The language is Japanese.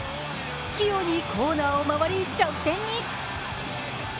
器用にコーナーを回り直線に。